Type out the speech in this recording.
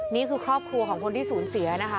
นี่คือครอบครัวของคนที่สูญเสียนะคะ